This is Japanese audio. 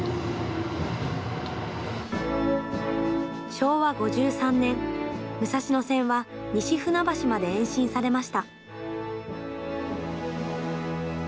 昭和５３年、武蔵野線は西船橋まで延伸されました。